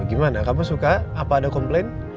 gimana kamu suka apa ada komplain